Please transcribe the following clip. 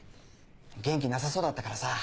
元気なさそうだったからさ。